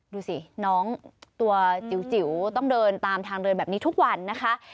ดูสิน้องตัวจิ๋วต้องเดินตามทางเดินแบบนี้ทุกวันนะคะ